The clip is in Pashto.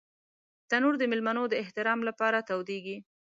تنور د مېلمنو د احترام لپاره تودېږي